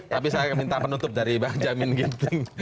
tapi saya minta penutup dari bang jamin ginting